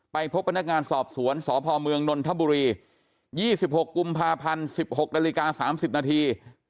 พบพนักงานสอบสวนสพเมืองนนทบุรี๒๖กุมภาพันธ์๑๖นาฬิกา๓๐นาที